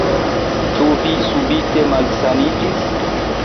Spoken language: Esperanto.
Ĉu vi subite malsaniĝis?